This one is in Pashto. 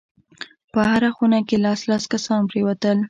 په هره خونه کښې لس لس کسان پرېوتل.